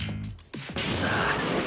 さあ